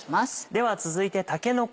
では続いてたけのこ